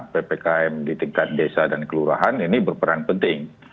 ppkm di tingkat desa dan kelurahan ini berperan penting